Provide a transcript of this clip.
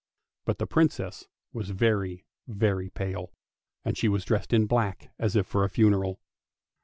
But the Princess was very, very pale, and she was dressed in black, as if for a funeral.